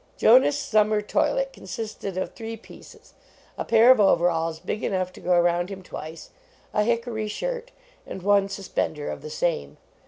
Jonas summer toilet consisted of three pieces; a pair of over alls big enough to go around him twice; a hickory shirt, and one suspender of the same.